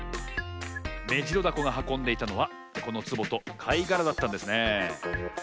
メジロダコがはこんでいたのはこのつぼとかいがらだったんですねえ。